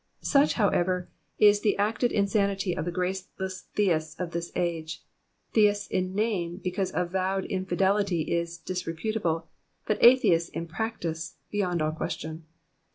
Buch, however, is the acted insanity of the graceless theists of this age ; theists in name, because avowed infidelity is disreputable, but atheists in practice beyond all question.